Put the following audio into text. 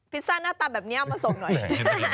ซ่าหน้าตาแบบนี้เอามาส่งหน่อยเลย